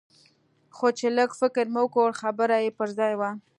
خو چې لږ فکر مې وکړ خبره يې پر ځاى وه.